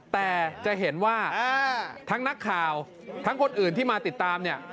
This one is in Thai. แต่จะเห็นว่าทั้งนักข่าวทั้งคนอื่นที่มาติดตามเนี่ย